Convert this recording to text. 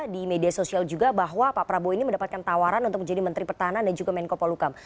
di media sosial juga bahwa pak prabowo ini mendapatkan tawaran untuk menjadi menteri pertahanan dan juga menko polukam